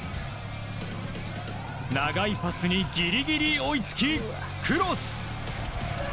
長いパスにギリギリ追いつきクロス！